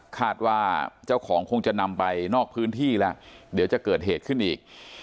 คาดว่าเจ้าของคงจะนำไปนอกพื้นที่แล้วเดี๋ยวจะเกิดเหตุขึ้นอีก